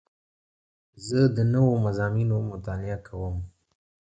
زه د نوو مضامینو مطالعه کوم.